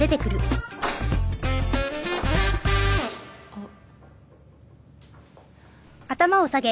あっ。